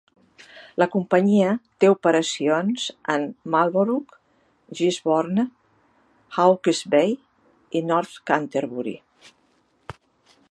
La companyia té operacions en Marlborough, Gisborne, Hawke's Bay i North Canterbury.